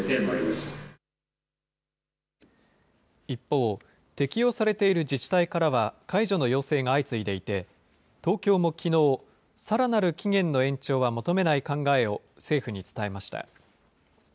一方、適用されている自治体からは、解除の要請が相次いでいて、東京もきのう、さらなる期限の延長は求めない考えを政府に伝えました。